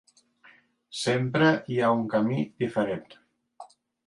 Sempre hi ha un camí diferent.